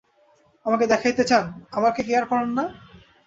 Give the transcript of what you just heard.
আমাকে দেখাইতে চান, আমাকে কেয়ার করেন না?